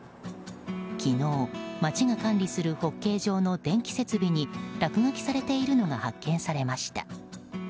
昨日、町が管理するホッケー場の電気設備に落書きされているのが発見されました。